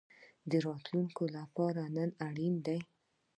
د راتلونکي لپاره نن اړین ده